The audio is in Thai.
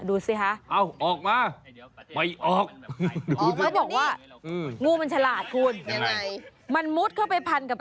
ดูสิฮะ